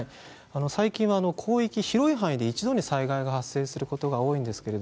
最近は広い範囲で一度に災害が発生することが多いんです。